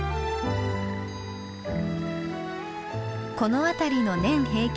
この辺りの年平均